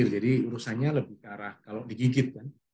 jadi urusannya lebih ke arah kalau digigit kan